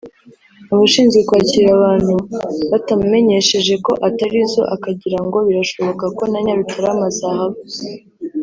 abashinzwe kwakira abantu batamumenyesheje ko atarizo akagira ngo birashoboka ko na Nyarutarama zahaba